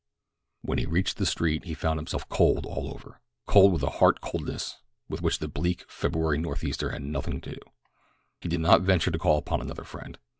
When he reached the street he found himself cold all over—cold with a heart coldness with which the bleak February northeaster had nothing to do. He did not venture to call upon another friend.